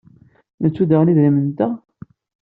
Nettu daɣen idrimen-nteɣ?